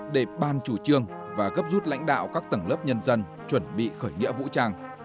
để ban chủ trương và gấp rút lãnh đạo các tầng lớp nhân dân chuẩn bị khởi nghĩa vũ trang